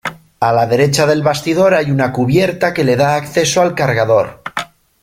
A la derecha del bastidor hay una cubierta que le da acceso al cargador.